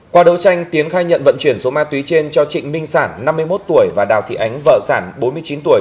qua đấu tranh tiến khai nhận vận chuyển số ma túy trên cho trịnh minh sản năm mươi một tuổi và đào thị ánh vợ sản bốn mươi chín tuổi